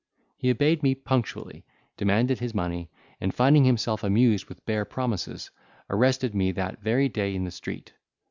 He obeyed me punctually, demanded his money, and finding himself amused with bare promises, arrested me that very day in the street.